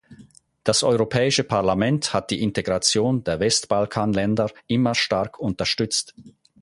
Das Europäische Parlament hat die Integration der Westbalkanländer immer stark unterstützt.